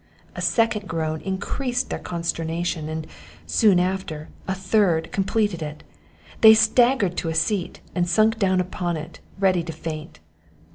A second groan increased their consternation; and, soon after, a third completed it. They staggered to a seat, and sunk down upon it, ready to faint.